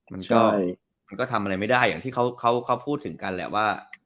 มันก็มันก็ทำอะไรไม่ได้อย่างที่เขาพูดถึงกันแหละว่า